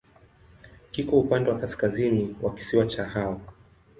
Kiko upande wa kaskazini wa kisiwa cha Hao.